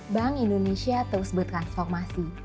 bank indonesia terus bertransformasi